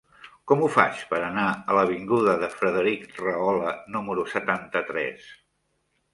Com ho faig per anar a l'avinguda de Frederic Rahola número setanta-tres?